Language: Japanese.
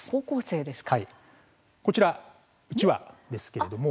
こちらうちわですけれども。